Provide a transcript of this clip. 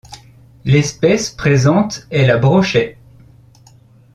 L'espèce présente est la brochet.